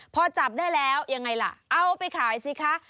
พอจับได้แล้วยังไงล่ะเอาไปขายสิคะ